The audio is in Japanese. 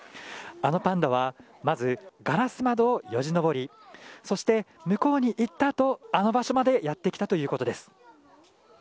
あのパンダはまずガラス窓をよじ登りそして、向こうにいったあとあの場所までやってきたということです。